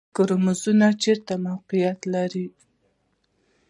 کروموزومونه چیرته موقعیت لري؟